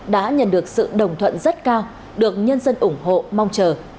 đã nhận được sự đồng thuận rất cao được nhân dân ủng hộ mong chờ